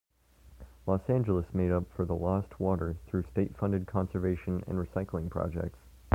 Los Angeles made up for the lost water through state-funded conservation and recycling projects.